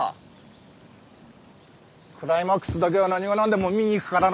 クライマックスだけは何が何でも見に行くからな。